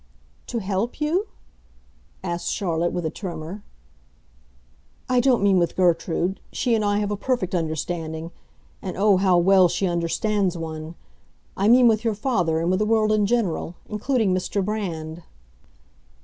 "To help you?" asked Charlotte, with a tremor. "I don't mean with Gertrude; she and I have a perfect understanding; and oh, how well she understands one! I mean with your father and with the world in general, including Mr. Brand."